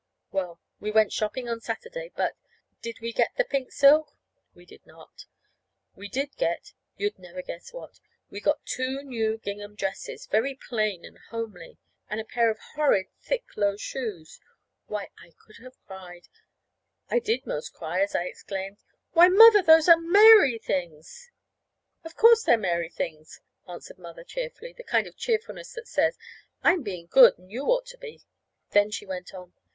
Well, we went shopping on Saturday, but did we get the pink silk? We did not. We did get you'd never guess what. We got two new gingham dresses, very plain and homely, and a pair of horrid, thick low shoes. Why, I could have cried! I did 'most cry as I exclaimed: "Why, Mother, those are Mary things!" "Of course, they're Mary things," answered Mother, cheerfully the kind of cheerfulness that says: "I'm being good and you ought to be." Then she went on.